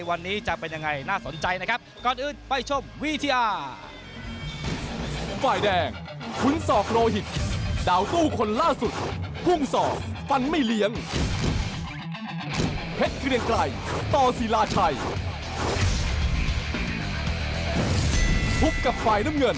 วันนี้จะเป็นยังไงน่าสนใจนะครับก่อนอื่นไปชมวิทยาฝ่าย